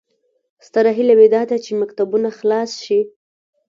ستره هیله مې داده چې مکتبونه خلاص شي